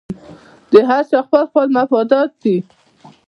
د هر چا خپل خپل مفادات دي